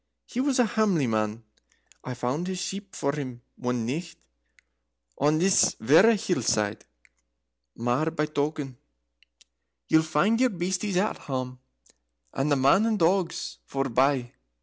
He was a hamely man, I found his sheep for him one nicht on this verra hill side. Mair by token, ye'll find your beasties at hame, and the men and the dogs forebye."